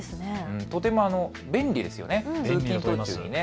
とても便利ですよね。